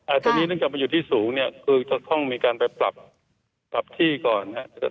อาจารย์นี้เนื่องจากมันอยู่ที่สูงคือจะต้องมีการไปปรับที่ก่อน